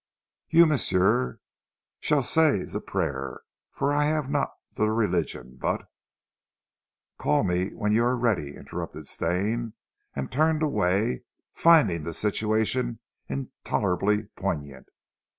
You, m'sieu, shall say zee prayer, for I haf not zee religion, but " "Call me when you are ready!" interrupted Stane, and turned away, finding the situation intolerably poignant.